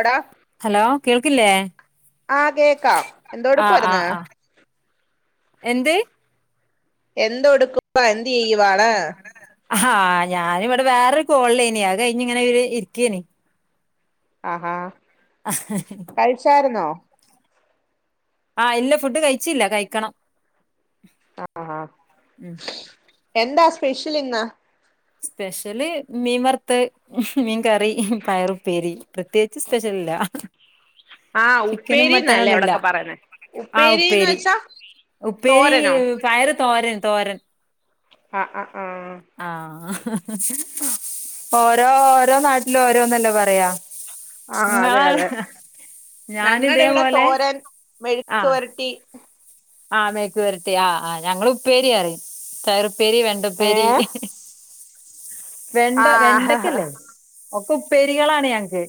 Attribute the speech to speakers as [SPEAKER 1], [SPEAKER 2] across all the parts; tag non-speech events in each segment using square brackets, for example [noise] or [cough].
[SPEAKER 1] എടാ
[SPEAKER 2] ഹലോ കേൾക്കില്ലേ?
[SPEAKER 1] ആ കേക്കാം, എന്തോടുക്കായിരുന്ന്
[SPEAKER 2] എന്ത്‌?
[SPEAKER 1] എന്തോടുക്കുവാ? എന്ത് ചെയ്യുവാണ്?
[SPEAKER 2] ആ ഞാനിവിടെ വേറൊരു കോള്ലേന്, അത് കയിഞ്‌ങ്ങനെ ഒരു ഇരിക്കെന്
[SPEAKER 1] ആഹാ, കഴിച്ചായിരുന്നോ?
[SPEAKER 2] ആ ഇല്ല ഫുഡ് കഴിച്ചില്ല, കഴിക്കണം.
[SPEAKER 1] ആഹാ
[SPEAKER 2] ഉം
[SPEAKER 1] എന്താ സ്പെഷ്യൽ ഇന്ന്?
[SPEAKER 2] സ്പെഷ്യല് മീൻ വർത്ത്, മ്ഹും മീൻ കറി, മ്ഹും പയറുപ്പേരി, പ്രത്യേകിച്ച് സ്പെഷ്യല് ല്ല ഹ
[SPEAKER 1] ആ
[SPEAKER 2] ചിക്കനും
[SPEAKER 1] ഉപ്പേരിന്നല്ലേ
[SPEAKER 2] മട്ടനൊന്നുമില്ല,
[SPEAKER 1] അവിടൊക്കെ പറയുന്നെ
[SPEAKER 2] ആ
[SPEAKER 1] ഉപ്പേരിന്ന്
[SPEAKER 2] ഉപ്പേരി.
[SPEAKER 1] വെച്ചാ
[SPEAKER 2] ഉപ്പേരി
[SPEAKER 1] തോരനോ
[SPEAKER 2] പയറ് തോരൻ തോരൻ
[SPEAKER 1] ആആ
[SPEAKER 2] ഹഹ ഓരോ ഓരോ നാട്ടിലും ഓരോന്നല്ലേ പറയാ
[SPEAKER 1] ആ അതെ
[SPEAKER 2] ഇങ്ങളെ
[SPEAKER 1] അതെ
[SPEAKER 2] ഞാന്
[SPEAKER 1] ഞങ്ങടെവ്ടെ
[SPEAKER 2] ഇതേപോലെ
[SPEAKER 1] തോരൻ, മെഴുക്ക് വരട്ടി
[SPEAKER 2] ആ മേക്കവരട്ടി ആ ആ ഞങ്ങള് ഉപ്പേരിആര് [unintelligible] പേരി
[SPEAKER 1] ഏ
[SPEAKER 2] വെണ്ടപ്പേരി ഹിഹി വെണ്ട
[SPEAKER 1] ആ
[SPEAKER 2] വെണ്ടക്കല്ലേ? ഒക്കെ ഉപ്പേരികളാണ് ഞങ്ങക്ക്,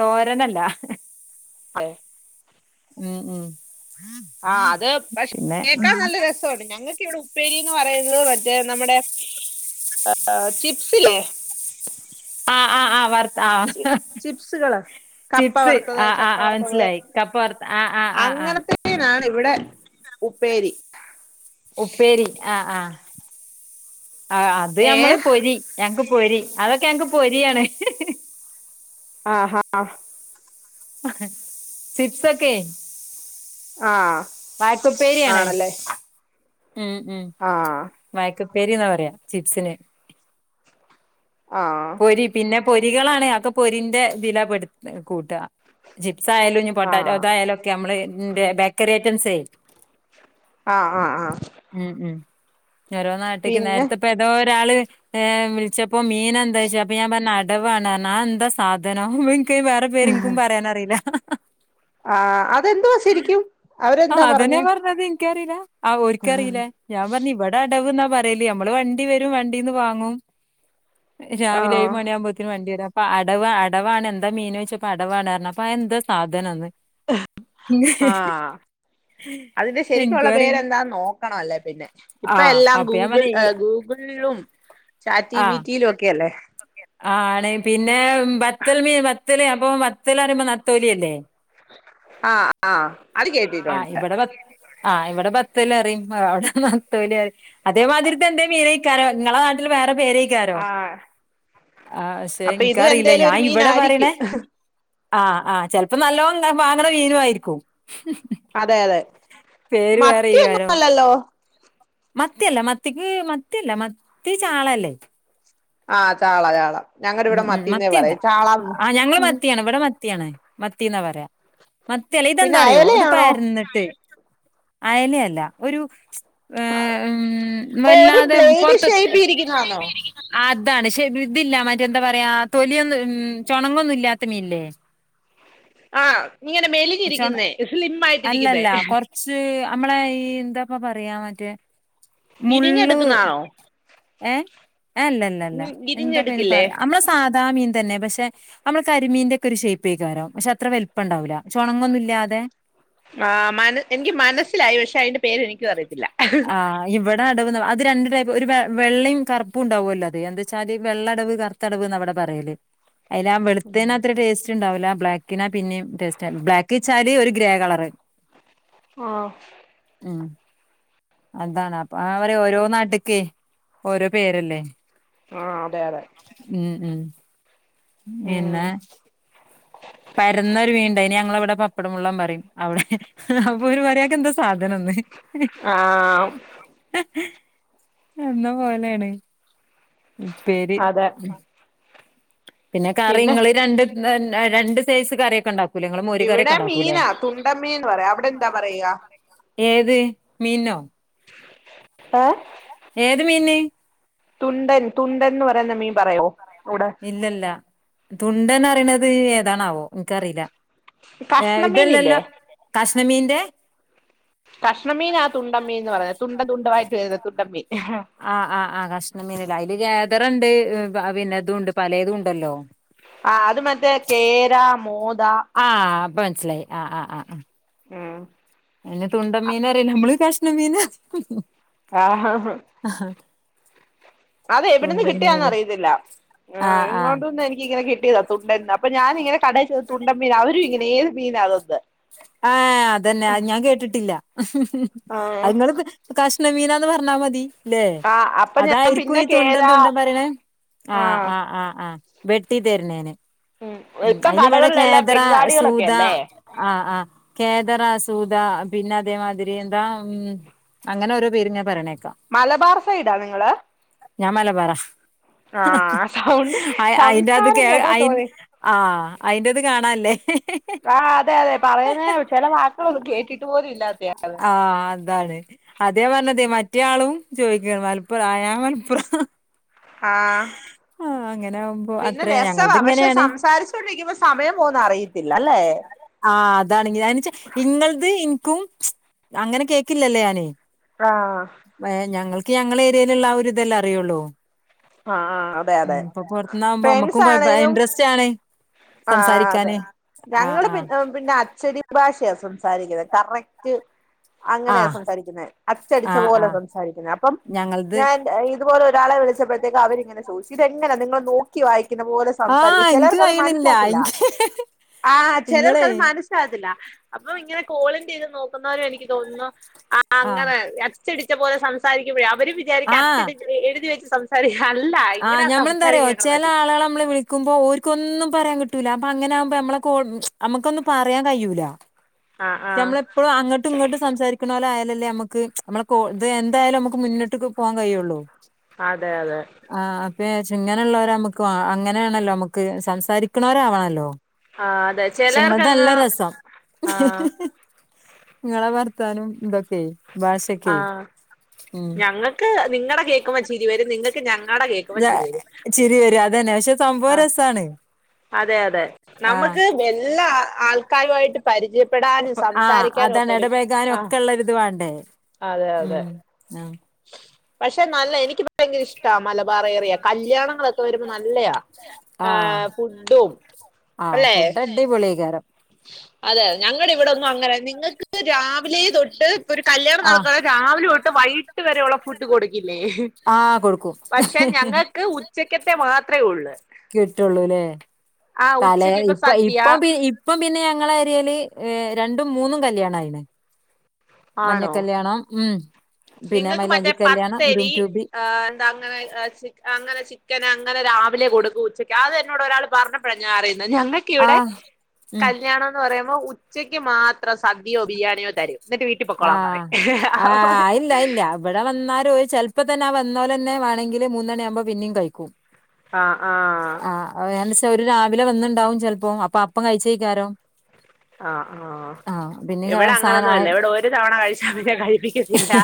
[SPEAKER 2] തോരനല്ല ഹ ഹ
[SPEAKER 1] [unintelligible]
[SPEAKER 2] ഉം. ഉം.
[SPEAKER 1] ആഅത് [inaudible]
[SPEAKER 2] പിന്നെ
[SPEAKER 1] കേക്കാൻ നല്ല രസോണ്ട്. ഞങ്ങക്ക് ഇവിടെ ഉപ്പേരീന്ന് പറയുന്നത് മറ്റേ നമ്മുടെ എഎ ചിപ്‌സ്സില്ലെ
[SPEAKER 2] ആ ആ ആ വർ
[SPEAKER 1] ചി ചിപ്സുകളാ കപ്പ
[SPEAKER 2] ചിപ്സ്
[SPEAKER 1] വർത്തത്,
[SPEAKER 2] ആഹ്
[SPEAKER 1] ചക്ക
[SPEAKER 2] ആഹ് ആഹ്
[SPEAKER 1] വർത്തത്,
[SPEAKER 2] മനസ്സിലായി കപ്പ വറുത്ത ആഹ് ആഹ് ആഹ് ആഹ്
[SPEAKER 1] [unintelligible] ഇവിടെ ഉപ്പേരി
[SPEAKER 2] ഉപ്പേരി ആ ആ ആ ആ അത്
[SPEAKER 1] ഏ
[SPEAKER 2] ഞമ്മള് പൊരി ഞങ്ങക്ക് പൊരി, അതൊക്കെ ഞങ്ങക്ക് പൊരിയാണ് [unintelligible]
[SPEAKER 1] ആ ഹാ
[SPEAKER 2] ഹെ ചിപ്സ ഒക്കെ
[SPEAKER 1] ആഹ്
[SPEAKER 2] വായ്ക്കപ്പേരിയാണ്
[SPEAKER 1] ആണല്ലേ
[SPEAKER 2] ഉം ഉം
[SPEAKER 1] ആഹ്
[SPEAKER 2] വായ്ക്കപ്പേരിന്നാ പറയാ ചിപ്സിന്
[SPEAKER 1] ആഹ്
[SPEAKER 2] പൊരി പിന്നെ പൊരികളാണ് അതൊക്കെ പൊരിന്റെതിലപെടുത കൂട്ട ചിപ്സ് ആയാലും ഇനി
[SPEAKER 1] ആഹ്
[SPEAKER 2] പൊട്ടാറ്റോതായാലും ഒക്കെ അമ്മള് ന്റെ ബേക്കറി ഐറ്റംസെ
[SPEAKER 1] ആ ആ ആ
[SPEAKER 2] ഓരോ നാട്ടേക്ക് നേരത്തെ ഇപ്പ ഓരോ നാട്ടിക്ക് നേരത്തെപ്പൊ ഏതൊരാള് ഏ.. വിള്ളിച്ചപ്പോ മീനതായ്ച്ച് അപ്പോഞാൻ പറഞ്ഞു [unintelligible] അടവന്ന് റഞ്ഞു നന്താസാധനം [unintelligible] വേറെപേര് ന്ക്കും പറാനറീല ഹഹ
[SPEAKER 1] ആ അതെന്തുവാ ശെരിക്കും? അവരെന്താ പറഞ്ഞേ?
[SPEAKER 2] ക്ക്‌ അറീല, ആ ഓർക്കറീല ഞാൻ പറഞ്ഞു ഇവിടെ അടവ് ന്നാ പറിയല്ല്അമ്മള് വണ്ടി വരും വണ്ടീന്ന് വാങ്ങും രാവിലെ
[SPEAKER 1] ആഹ്
[SPEAKER 2] ഏയ്മണി ആവുബോത്തിന് വണ്ടി അപ്പ അടവ അടവാണ് എന്താ മീനൊയിച്ചപ്പോ അടവാണ്ഞ്ഞു അപ്പോന്താ സാധനൊന്ന്
[SPEAKER 1] ഹ് ആ അതിന്റെ ശരിക്കുള്ള
[SPEAKER 2] എനിക്കും അറിയില്ല
[SPEAKER 1] പേരെന്താന്ന് നോക്കണല്ലേ പിന്നെ
[SPEAKER 2] ആഹ്
[SPEAKER 1] ഇപ്പല്ലാം
[SPEAKER 2] അപ്പൊ ഞാൻ
[SPEAKER 1] ഗൂഗ്‌ൾ
[SPEAKER 2] പറഞ്ഞ് ഈ
[SPEAKER 1] ഏ ഗൂഗ്‌ൾ ളും ചാറ്റിബീറ്റിലൊക്കെ
[SPEAKER 2] ക്കെന്നാ ആണ് പിന്നെ ബത്തല് മീൻവത്തൽ അപ്പൊ വത്തൽന്നറിയുമ്പോ നത്തോലിഅല്ലേ
[SPEAKER 1] ആ ആ അത്
[SPEAKER 2] ആഹ്
[SPEAKER 1] കേട്ടിട്ടുണ്ട്
[SPEAKER 2] ഇവിടെ ബ ആഹ് ഇവിടെ ബത്തല്റി അ വിടെ അവടെ നത്തോലിന്നാറിയും അതേമാതിരിത്തന്നെ മീൻകാരം ഇങ്ങളെനാട്ടില് വേറെ വേറെക്കാരും
[SPEAKER 1] ആഹ്
[SPEAKER 2] ആ ശെ
[SPEAKER 1] അപ്പൊ ഇതും
[SPEAKER 2] ഇൻക്കറീല
[SPEAKER 1] എന്തേലും ഒരു
[SPEAKER 2] ഞാനിവിടെപറ ണെ
[SPEAKER 1] മീനായിരിക്കും
[SPEAKER 2] ആ. ആ. ചെല്പം നല്ലോ വാങ്ങണ മീനായിരിക്കാം
[SPEAKER 1] അതെ അതെ മത്തിയന്നല്ലല്ലോ
[SPEAKER 2] മത്തില്ല മത്തിക്ക്.. മത്തില്ല മത്തി.. ചാളല്ലെ?
[SPEAKER 1] ആ ചാള ചാള ഞങ്ങടെ
[SPEAKER 2] ഉം
[SPEAKER 1] ഇവിടെ
[SPEAKER 2] ഉം
[SPEAKER 1] മത്തിന്നേ
[SPEAKER 2] മത്തില്ല
[SPEAKER 1] പറയും ചാളന്ന്
[SPEAKER 2] ആ ഞങ്ങള് മത്തിയാണ് ഇവിടെ മത്തി മത്തിയാണ് മത്തി എന്നാ പറയാ മത്തിയല്ലേ
[SPEAKER 1] പിന്നെ
[SPEAKER 2] ഇതെന്താ അറിയോ ഇത്
[SPEAKER 1] അയലയാണോ
[SPEAKER 2] പരന്നിട്ട് അയല അല്ല ഒരു അ് ഉം
[SPEAKER 1] ഓ ഒരു ബ്ലേഡ്
[SPEAKER 2] വലത്തേ
[SPEAKER 1] ഷേപ്പ് ഇരിക്കുന്നതാണോ
[SPEAKER 2] [inaudible] ഇതാണ് ശരി ഇതില്ല മറ്റെന്താ പറയാ തൊലിയൊന്നും ഉം ചുണങ്ങൊന്നും ഇല്ലാത്ത മീനില്ലേ
[SPEAKER 1] ആ ഇങ്ങനെ
[SPEAKER 2] ചൊണ
[SPEAKER 1] മെലഞ്ഞിരിക്കുന്നേ സ്ലിം ആയിട്ടി ഇരിക്കുന്നേ
[SPEAKER 2] അല്ലല്ല കൊറച്ച് നമ്മളെ ഈ എന്താപ്പ പറയാ മറ്റേ മള്ള്
[SPEAKER 1] തിരിഞ്ഞെടുക്കുന്നതാണോ
[SPEAKER 2] ഏ എഅല്ലല്ലല്ല
[SPEAKER 1] ഉം,
[SPEAKER 2] എന്താപ്പ
[SPEAKER 1] തിരിഞ്ഞെടുക്കില്ലേ
[SPEAKER 2] ഇനിപ്പറയാ നമ്മള് സാ സാധാമീൻ തന്നെ പക്ഷെ നമ്മള് കരിമിന്റെ ഒക്കെ ഒരു ശൈപേക്കാരംപക്ഷെ അത്രവലുപ്പം ഉണ്ടാവൂല്ല ചോണങ്ങുന്നില്ല ഇല്ലാതെ
[SPEAKER 1] ആ മന എനിക്ക് മനസ്സിലായി പക്ഷെ അതിന്റെ പേര് എനക്ക് അറി
[SPEAKER 2] ആ ഇവിടെ അടവന്ന് അത് രണ്ട് ടൈപ്പ് ഒരു വെ വെള്ളം കറുപ്പും ഉണ്ടാവുമല്ലോ അത് എന്താ വെച്ചാല് വെള്ളടവ് കറുത്തടവ് എന്ന ഇവിടെ പറയല് അയില് ആ വെളുത്തേന് അത്ര ടേസ്റ്റ് ഉണ്ടാവില്ല ബ്ലാക്കിനാ പിന്നെയും ടേസ്റ്റ് ബ്ലാക്ക് വച്ചാല് ഒരു ഗ്രേ കളറ്
[SPEAKER 1] ആ
[SPEAKER 2] ഉം അതാണ് അപ്പൊ അവരെ ഓരോ നാട്ടക്ക് ഓരോ പേരല്ലേ
[SPEAKER 1] ആ അതെ അതെ
[SPEAKER 2] ഉം ഉം പിന്നെ
[SPEAKER 1] ഉം
[SPEAKER 2] പരന്ന ഒര് മിനുണ്ട് യിന്ന് ഞങ്ങളവിടെ പപ്പടമുള്ളൻ എന്ന്പറയും അവിടെ അപ്പ അവര് പറയാക്കെ എന്താ സാധ ഇങ്ങ് തന്നെ
[SPEAKER 1] ആ
[SPEAKER 2] എന്ന പോലെണ് ഉപ്പേരി
[SPEAKER 1] അതെ
[SPEAKER 2] ആ പിന്നെ കറി ഇങ്ങള് രണ്ട് മ് രണ്ട് സൈസ് കറിയൊക്കെ ഉണ്ടാ
[SPEAKER 1] ഇവിടെ മീനാ തുണ്ടൻ മീൻന്ന് പറയും അവിടെ എന്താ പറയാ
[SPEAKER 2] ഏത് മീനോ
[SPEAKER 1] ഏ
[SPEAKER 2] ഏത് മീൻന്
[SPEAKER 1] തുണ്ടൻ തുണ്ടൻന്ന് പറയുന്ന മീൻ പറയോ ഇവിടെ
[SPEAKER 2] ഇല്ലില്ല തുണ്ടൻ പറയണത് ഏതാണാവോ ഇൻകറില്ല ഏ
[SPEAKER 1] കഷ്ണമീനില്ലേ
[SPEAKER 2] ഇതല്ലല്ലോ കഷ്ണംമീന്റെ
[SPEAKER 1] കഷ്ണൻ മീന ആ തുണ്ടൻ മീൻന്ന് പറയുന്നത് തുണ്ട തുണ്ടായിട്ട് വരുന്ന തുണ്ട മീൻ
[SPEAKER 2] ആ ആ ആ കഷ്ണം മീന് അതില് ഗേതറുണ്ട് പിന്നെ ഇതും ഉണ്ട് പലേതും ഉണ്ടല്ലോ
[SPEAKER 1] ആ അത് മറ്റേ കേര [unintelligible]
[SPEAKER 2] ആ അപ്പൊ മനസ്സിലായി ആ ആ ആ ആ
[SPEAKER 1] ഉം
[SPEAKER 2] [unintelligible] തുണ്ടൻ മീന അറിയല്ല നമ്മള് കഷ്ണം മീന [unintelligible]
[SPEAKER 1] ഹ ഹ ഹ് അതെ എവിടന്ന്
[SPEAKER 2] തുണ്ടൻ
[SPEAKER 1] കിട്ടിയാന്ന്
[SPEAKER 2] മീനല്ലേ
[SPEAKER 1] അറിയത്തില്ല ആ
[SPEAKER 2] ആഹ് ആഹ്
[SPEAKER 1] ഇങ്ങോണ്ടൊന്ന് എനിക്ക് ഇങ്ങനെ കിട്ടിയത തുണ്ടൻ അപ്പൊ ഞാനിങ്ങനെ കടയിൽ ചോദി തുണ്ടൻമീനാ അവരും ഇങ്ങനെ ഏതു മീന അതന്ന്
[SPEAKER 2] ആ അതന്നെ അത് ഞാൻ കേട്ടിട്ടില്ല
[SPEAKER 1] ആ
[SPEAKER 2] അതു നിങ്ങള് [unintelligible] [unintelligible] മീനാന്ന് പറഞ്ഞ മതി ല്ലേ
[SPEAKER 1] ആ അപ്പൊ ഞാൻ
[SPEAKER 2] അതായിരിക്കും
[SPEAKER 1] പിന്നെ
[SPEAKER 2] ഈ
[SPEAKER 1] കേര
[SPEAKER 2] തുണ്ടം തുണ്ടം പറയണെ ആ ആ ആ ആ വെട്ടി തരുന്നേന് ഉം
[SPEAKER 1] ഇപ്പം
[SPEAKER 2] അതിനു വേണം
[SPEAKER 1] കടകളിലെല്ലാം
[SPEAKER 2] കേദറ
[SPEAKER 1] ബംഗാളികളൊക്കെ
[SPEAKER 2] സൂധ
[SPEAKER 1] അല്ലേ
[SPEAKER 2] ആ ആ കേദാറാ സൂദ പിന്നെ അതേ മാതിരി എന്താ ഉം അങ്ങനെ ഓരോ പേര് ഇങ്ങനെ [unintelligible]
[SPEAKER 1] മലബാർ സൈഡാ നിങ്ങള്
[SPEAKER 2] ഞാൻ മലബാറ
[SPEAKER 1] ആഹ് സൗണ്ട്
[SPEAKER 2] ആ അയിന്റെ ആത്
[SPEAKER 1] സംസാരം
[SPEAKER 2] കേറി
[SPEAKER 1] കേട്ടപ്പോ തോന്നി
[SPEAKER 2] [unintelligible] ആ അയിൻ്റെത് കാണാല്ലേ
[SPEAKER 1] ആ അതെ അതെ പറയുന്നേ ചില വാക്കുകളൊന്നും കേട്ടിട്ട് പോലും ഇല്ലാത്തെയന്ന്.
[SPEAKER 2] ആഹ് അതാണ് അതപറഞ്ഞത് മറ്റേയാളും ചോദിക്കണ് മലപ്പുറ ആ ഞാൻ മലപ്പുറ
[SPEAKER 1] ആഹ്
[SPEAKER 2] ആ അങ്ങനെ ആകുമ്പോ
[SPEAKER 1] പിന്നെ
[SPEAKER 2] അത്രയാ
[SPEAKER 1] രസവാ
[SPEAKER 2] ഞങ്ങളത്
[SPEAKER 1] പക്ഷെ
[SPEAKER 2] ഇങ്ങനെയാണ്
[SPEAKER 1] സംസാരിച്ചോണ്ടിരിക്കുമ്പോ സമയം പോകുന്ന അറിയത്തില്ല അല്ലേ
[SPEAKER 2] ആ അതാണ് [unintelligible] ഇങ്ങളത് [unintelligible] ക്കും അങ്ങനെ കേക്കില്ലല്ലേ ഞാന്
[SPEAKER 1] ആ
[SPEAKER 2] ക്ക് ഞങ്ങളെ ഏരിയയിലുള്ള ആ ഒരിതല്ലെ അറിയുള്ളൂ.
[SPEAKER 1] ആ ആ അതെ
[SPEAKER 2] ഉം
[SPEAKER 1] അതെ
[SPEAKER 2] ഇപ്പൊ പുറത്തുന്നാവുമ്പോ
[SPEAKER 1] ഫ്രണ്ട്സ്
[SPEAKER 2] നമ്മുക്കും കൊഴപ്പ
[SPEAKER 1] ആണേലും
[SPEAKER 2] ഇൻട്രസ്റ്റ് ആണ്
[SPEAKER 1] ആ അതെ
[SPEAKER 2] സംസാരിക്കാന് ആഹ്
[SPEAKER 1] ഞങ്ങള്
[SPEAKER 2] ആഹ്
[SPEAKER 1] പിന്ന പിന്നെ അച്ചടി ഭാഷ യാ സംസാരിക്കുന്നത് കറക്റ്റ് അങ്ങനെയാ
[SPEAKER 2] ആഹ്
[SPEAKER 1] സംസാരിക്കുന്നത് അച്ചടിച്ച
[SPEAKER 2] ആഹ്
[SPEAKER 1] പോലെ
[SPEAKER 2] ആഹ്
[SPEAKER 1] സംസാരിക്കുന്നേ അപ്പം
[SPEAKER 2] ഞങ്ങളത്
[SPEAKER 1] ഞാൻ ഇതു പോലെ ഒരാളെ വിളിച്ചപ്പഴത്തേക്ക് അവരിങ്ങനെ [unintelligible] ചോദിച്ച് ഇതെങ്ങനെ നിങ്ങൾ നോക്കി വായിക്കുന്ന പോലെ
[SPEAKER 2] ആ
[SPEAKER 1] സംസാരിക്കും ചെലർ
[SPEAKER 2] ഇൻക്ക്
[SPEAKER 1] ക്കത്
[SPEAKER 2] കഴിയണില്ല
[SPEAKER 1] മനസ്സിലാവത്തില്ല
[SPEAKER 2] ഇൻക്ക്
[SPEAKER 1] ആ ചെലർക്ക്
[SPEAKER 2] ഇങ്ങളെ
[SPEAKER 1] അത് മനസ്സിലാവത്തില്ല. അപ്പൊ ഇങ്ങനെ കോളിൻ ചെയ്ത് നോക്കുന്നവര് എനിക്ക് തോന്നുന്നു ആ
[SPEAKER 2] ആഹ്
[SPEAKER 1] അങ്ങനെ അച്ചടിച്ച പോലെ സംസാരിക്കുമ്പോഴേ അവരും വിചാരിക്ക അച്ചടി എഴുതി വെച്ച് [unintelligible] അല്ല
[SPEAKER 2] ആ
[SPEAKER 1] ഇങ്ങനെ
[SPEAKER 2] ഞമ്മളെന്താറിയോ
[SPEAKER 1] സംസാരിക്കുക ഞങ്ങളെ
[SPEAKER 2] ചെലെ
[SPEAKER 1] നാട്ടിൽ
[SPEAKER 2] ആളുകളെ നമ്മള് വിളിക്കുമ്പോ ഓർക്കൊന്നും പറയാൻ കിട്ടൂല അപ്പൊ അങ്ങനെ ആകുമ്പോ നമ്മള കോൾ ഉം നമ്മുക്കൊന്നും പറയാൻ കയൂല
[SPEAKER 1] ആ ആ
[SPEAKER 2] പക്ഷെ നമ്മളെപ്പോഴും അങ്ങട്ടും ഇങ്ങട്ടും സംസാരിക്കണോലെ [unintelligible] ലല്ലേ നമുക്ക് നമ്മളെ കോ ഇത് എന്തായാലും നമുക്ക് മുന്നോട്ട്ക്ക് പോവാൻ കയൊള്ളു
[SPEAKER 1] അതെ അതെ
[SPEAKER 2] പ്പാ വിചാരിച്ച് ഇങ്ങനുള്ളോരാ മ്മുക്ക് അങ്ങനൊണല്ലോ മ്മുക്ക് സംസാരിക്കണവരാവണല്ലോ
[SPEAKER 1] ആ അതെ ചിലർക്കങ്ങ്
[SPEAKER 2] [unintelligible] രസം
[SPEAKER 1] ആ
[SPEAKER 2] ങ്ങളെ വർത്താനം ഇതൊക്കെ
[SPEAKER 1] ആ
[SPEAKER 2] ഭാഷൊക്കെ ഉം
[SPEAKER 1] ഞങ്ങൾക്ക് നിങ്ങടെ കേൾക്കുമ്പോ ചിരി വരും നിങ്ങക്ക് [unintelligible] ങ്ങടെ കേക്കുമ്പം ചിരിവരും
[SPEAKER 2] ചിരി വരും അതന്നെ പക്ഷെ സംഭവം
[SPEAKER 1] ആ
[SPEAKER 2] രസാണ്
[SPEAKER 1] അതെ അതെ
[SPEAKER 2] ആഹ്
[SPEAKER 1] നമുക്ക് എല്ലാ ആ ആൾ [inaudible] കാരുവായിട്ട് [unintelligible]
[SPEAKER 2] പ്പെ ആ അതാണ് എടപേഴകാനും
[SPEAKER 1] ആ
[SPEAKER 2] ഒക്കെ ഒള്ളരിത് വേണ്ടേ
[SPEAKER 1] അതെ അതെ
[SPEAKER 2] ഉം ആ
[SPEAKER 1] പക്ഷെ നല്ല എനിക്ക് ഭയങ്കര ഇഷ്ടാ മലബാർ ഏറിയ കല്യാ
[SPEAKER 2] ആ ഫുഡ് അല്ലെ പൊളികാരം
[SPEAKER 1] അതെതെ ഞങ്ങുടെ ഇവിടെന്നും അങ്ങനെ നിങ്ങക്ക് രാവിലെ തൊട്ട് ഒരു കല്യാണം
[SPEAKER 2] ആഹ്
[SPEAKER 1] നടത്തുവാണേ രാവിലെ തൊട്ട് വൈയിട്ട് വരെയുള്ള ഫുഡ് കൊടു ക്കില്ലേ
[SPEAKER 2] ആഹ് കൊടുക്കും
[SPEAKER 1] പക്ഷെ ഞങ്ങൾക്ക് ഉച്ചക്കത്തെ മാത്രേ ഒള്ള്
[SPEAKER 2] കിട്ടൊള്ളൂല്ലേ തലേ
[SPEAKER 1] ഉച്ചക്ക് ഇപ്പൊ
[SPEAKER 2] ഇപ്പ
[SPEAKER 1] സദ്യ
[SPEAKER 2] ഇപ്പം ഇപ്പം പിന്നെ ങ്ങളെരിയേല് രണ്ടും മൂന്നും കല്യാണയിന് മഞ്ഞ കല്യാണം ഉം പിന്നെ
[SPEAKER 1] നിങ്ങളൾക്ക്
[SPEAKER 2] മൈലാഞ്ചി
[SPEAKER 1] മറ്റേ
[SPEAKER 2] കല്യാണം ഗ്രൂം
[SPEAKER 1] പത്തരി
[SPEAKER 2] ട്യൂബി
[SPEAKER 1] ആ എന്താ അങ്ങനെ അ അങ്ങനെ ചി ക്കനങ്ങനെ രാവിലെ കൊടുക്കും ഉച്ചയ്ക്ക് അത് എന്നോട് ഒരാൾ പറഞ്ഞപ്പോഴ ഞാൻ അറിയിന് ഞങ്ങൾക്കിവിടെ
[SPEAKER 2] ആഹ് ഉം
[SPEAKER 1] കല്യാണംന്ന് പറയു മ്പോ ഉച്ചയ്ക്ക് മാത്രം സദ്യയോ ബിരിയണിയോ തരും എന്നിട്ട് വീട്ടിൽ പൊക്കോളാൻ പറയും
[SPEAKER 2] അയ്ണ്ടായില്ല ഇവിടെ വന്നാലോല് ചെലപ്പോ തന്നെ ആ വന്നോല് തന്നെ വേണങ്കില് മൂന്നണിയാവുമ്പോ പിന്നെ കഴിക്കും
[SPEAKER 1] ആഹ് ആഹ്
[SPEAKER 2] ആ ന്ത്ച്ചാ ഒരു രാ വിലെ വന്നുണ്ടാവും ചെലപ്പോ അപ്പൊ അപ്പം കഴിച്ചേക്കാരോ
[SPEAKER 1] ആ ആ ഇവിടെ
[SPEAKER 2] സാധ
[SPEAKER 1] അങ്ങനൊന്നു അല്ല ഇവിടെ ഒരു തവണ കഴിച്ച പിന്നെ കഴിപ്പിക്കത്തില്ല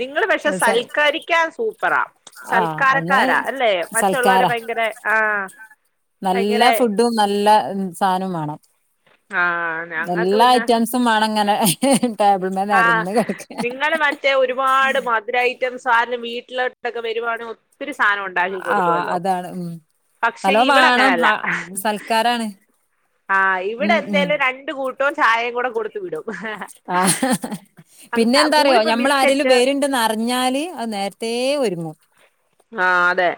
[SPEAKER 1] നിങ്ങള് പക്ഷെ സൽക്കരിക്കാൻ സൂപ്പറാ
[SPEAKER 2] ആഹ് അന്ന്
[SPEAKER 1] സൽക്കാരക്കാരാ അല്ലേ മറ്റുള്ളവരെ
[SPEAKER 2] സൽക്കാരാ
[SPEAKER 1] ഭയങ്കര ആ
[SPEAKER 2] നല്ല ഫുഡും നല്ല സാനോം വേണം
[SPEAKER 1] ആഹ് ഞങ്ങൾക്ക്
[SPEAKER 2] എല്ലാ ഐറ്റംസും വേണംങ്ങനെ
[SPEAKER 1] ആ നിങ്ങള് മറ്റേ ഒരുപാട് മധുര ഐറ്റംസ് ആരെലും വീട്ടിലോ ട്ടൊക്കെ വരുവാണേ ഒത്തിരി സാധനം ഒണ്ടാക്കി
[SPEAKER 2] ആഹ്
[SPEAKER 1] കൊടുക്കുവല്ലോ
[SPEAKER 2] അതാണ് ഉം
[SPEAKER 1] പക്ഷെ
[SPEAKER 2] നല്ലോം
[SPEAKER 1] ഇവിടെ
[SPEAKER 2] വേണം
[SPEAKER 1] അങ്ങനല്ല
[SPEAKER 2] സൽക്കാരാണ്
[SPEAKER 1] ആഹ് ഇവിടെ
[SPEAKER 2] ഉം ഉം
[SPEAKER 1] എന്തേലും രണ്ട് കൂട്ടവും ചായയും കൂടെ കൊടുത്തു വിടും
[SPEAKER 2] ആഹഹ് പിന്നെ
[SPEAKER 1] അങ്ങ
[SPEAKER 2] എന്താറിയോ
[SPEAKER 1] കൂടിപ്പോ
[SPEAKER 2] ഞമ്മൾ ആരെേലും
[SPEAKER 1] ബിസ്ക്കറ്റ്
[SPEAKER 2] വരുണ്ടെന്ന് അറിഞ്ഞാല് അത് നേരത്തെ ഒരുങ്ങും
[SPEAKER 1] ആഹ അതെ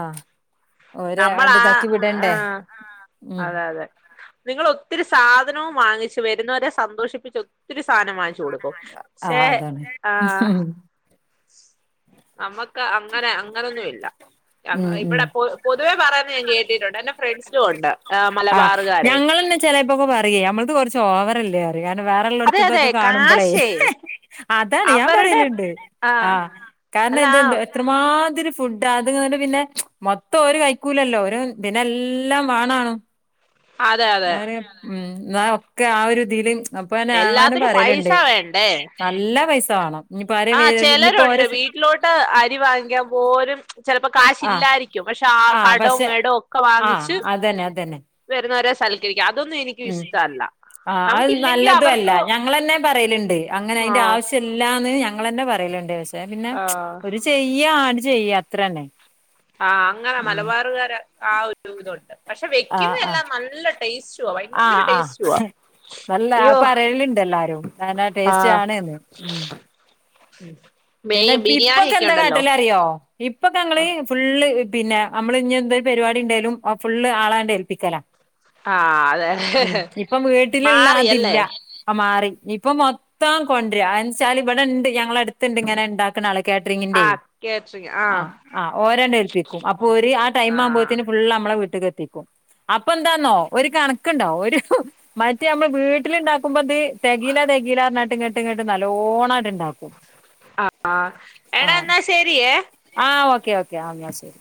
[SPEAKER 2] ആഹ
[SPEAKER 1] നമ്മൾ ആ ആഹ
[SPEAKER 2] ഉം
[SPEAKER 1] അതെ അതെ നിങ്ങൾ ഒത്തിരി സാധനവും വാങ്ങിച്ചു വരുന്നവരെ സന്തോഷിപ്പിച്ച് ഒത്തിരി സാധനം വാങ്ങിച്ചു വച്ചു കൊടുക്കും
[SPEAKER 2] ആഹ്
[SPEAKER 1] പക്ഷേ
[SPEAKER 2] അതാണ്
[SPEAKER 1] ആ നമുക്ക് അങ്ങനെ അങ്ങനൊന്നുവി ല്ല
[SPEAKER 2] ഉം ഉം
[SPEAKER 1] ഇവിടെപ്പോ പൊതുവെ പറയന്നുഞാൻ കേട്ടി ട്ടുണ്ട് എന്റെ ഫ്രണ്ട്സും ഉണ്ട്
[SPEAKER 2] ആ
[SPEAKER 1] മലബാറുകാരെ
[SPEAKER 2] ഞങ്ങളന്നെ ചെലപ്പോക്കെ പറയ നമ്മളത് കുറച്ച് ഓവറല്ലേ അ കാരണം
[SPEAKER 1] അതെ അതെ
[SPEAKER 2] വേറെള്ളതോടത്ഒക്കെ കാണുമ്പോളേ
[SPEAKER 1] കാശേ
[SPEAKER 2] അതാണ് ഞാൻ
[SPEAKER 1] അവരുടെ
[SPEAKER 2] പറയലണ്ട്
[SPEAKER 1] ആഹ്
[SPEAKER 2] ആഹ കാരണം
[SPEAKER 1] അല്ല
[SPEAKER 2] എന്തെന്തോ എത്രമാത്രം ഇത്തിരി ഫുഡാ അത് പിന്നെ മൊത്തം ഓര് കഴക്കൂലല്ലോ ഒരു ദിനെല്ലാം വേണാണും
[SPEAKER 1] അതെ അതെ
[SPEAKER 2] അവര് ഉ നാ ഒക്കെ ആ ഒരു ഇതില് അപ്പൊങ്ങനെ ഞാനും
[SPEAKER 1] എല്ലാത്തിനും പൈസ
[SPEAKER 2] പറയലുണ്ട്
[SPEAKER 1] വേണ്ടേ
[SPEAKER 2] നല്ല പൈസ വേണം ഇനിയിപ്പോ ആരെ
[SPEAKER 1] ആ
[SPEAKER 2] ഇനിയിപ്പോ
[SPEAKER 1] ചിലരുണ്ട്
[SPEAKER 2] ഓരെ
[SPEAKER 1] വീട്ടിലോട്ട് അരി വാങ്ങിക്കാൻ പോലും ചെലപ്പോ കാശ്
[SPEAKER 2] ആഹ്
[SPEAKER 1] ഇല്ലായിരിക്കും പക്ഷെ ആ
[SPEAKER 2] ആഹ്
[SPEAKER 1] കടോം
[SPEAKER 2] പക്ഷെ
[SPEAKER 1] മേടം ഒക്കെ
[SPEAKER 2] ആഹ്
[SPEAKER 1] വാങ്ങിച്ച്
[SPEAKER 2] അതന്നെ അതന്നെ
[SPEAKER 1] വരുന്നവരെ സൽക്കരിക്കാം അതൊന്നും എനിക്ക് ഇഷ്ട്ടല്ല
[SPEAKER 2] ആ അത് നല്ലതുഅല്ല ഞങ്ങന്നെ പറയലുണ്ട് അങ്ങനെ
[SPEAKER 1] ആ
[SPEAKER 2] അതിന്റെ ആവശ്യംല്ലാന്ന് ഞങ്ങന്നെ പറയലണ്ടപക്ഷേ പിന്നെ
[SPEAKER 1] ആ
[SPEAKER 2] ഒരു ചെയ്യ ആട് ചെയ്യ അത്ര തന്നെ
[SPEAKER 1] ആഹ അങ്ങനെ മലബാറുകാര് ആ ഒരു ഇതുണ്ട് പക്ഷെ
[SPEAKER 2] ആഹ് ആഹ്
[SPEAKER 1] വെക്കുന്നതല്ലാം നല്ല ടേസ്റ്റവാ ഭയങ്കര
[SPEAKER 2] ആഹ് ആഹ്
[SPEAKER 1] ടേസ്റ്റവാ
[SPEAKER 2] നല്ല ആ പറലുണ്ട് എല്ലാരും അങ്ങനെ ടേസ്റ്റ് ആണേന്ന്
[SPEAKER 1] ഉം
[SPEAKER 2] പിന്നെ ഇപ്പൊക്കെ എന്താ കാട്ടിലറിയോ ഇപ്പൊക്കെങ്ങള് ഫുള്ള് പിന്നെ നമ്മള് ഇനി എന്തോരു പരിപാടി ഉണ്ടെലും ഫുള്ള് ആളാണ്ട് ഏൽപ്പിക്കലാ
[SPEAKER 1] ആ അതെ
[SPEAKER 2] ഇമ് ഇപ്പം വീട്ടിലുള്ള അതില്ല
[SPEAKER 1] മാറിയല്ലേ
[SPEAKER 2] ആ മാറി ഇപ്പൊ മൊത്തം കൊണ്ടരാ അനിച്ചാൽ ഇവിടെ ഇണ്ട് ഞങ്ങള അടുത്തുണ്ട് ഇങ്ങനെഇണ്ടാക്ണാ ആൾ
[SPEAKER 1] ആ
[SPEAKER 2] കാറ്ററിംഗിന്റെയ്
[SPEAKER 1] കേറ്ററിംഗ്
[SPEAKER 2] ആ ആ ഓരാണ്ട ഏൽപ്പിക്കും അപ്പൊ ഒര് ആ ടൈം ആകുമ്പോഴത്തിന് ഫുള്ള് നമ്മളെ വീട്ടക്ക് എത്തിക്കും. അപ്പൊ എന്താന്നോ ഒരു കണക്കുണ്ടാവോ ഒരു മറ്റേ നമ്മൾ വീട്ടിലുണ്ടാക്കുമ്പോത് തെകയിലാത് താകിലാർന്നട്ട് നാട്ടുംങ്ങെട്ടും കേട്ട് നല്ലോണംഉണ്ടാക്കും
[SPEAKER 1] ആഹ എട എന്നാ ശരിയേ
[SPEAKER 2] ആ ഓക്കെ ഓക്കെ എന്നാ ശരി.